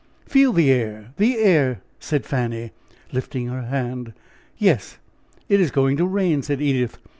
"Feel! the air! the air!" said Fanny, lifting her hand. "Yes, it is going to rain," said Edith.